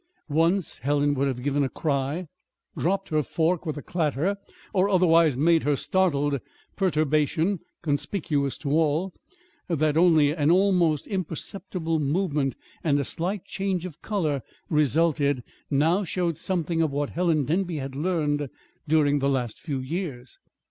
Once Helen would have given a cry, dropped her fork with a clatter, or otherwise made her startled perturbation conspicuous to all. That only an almost imperceptible movement and a slight change of color resulted now showed something of what Helen Denby had learned during the last few years.